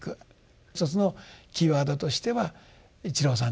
一つのキーワードとしては一郎さんのあの言葉に。